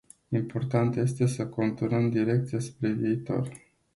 Important este să conturăm direcția spre viitor.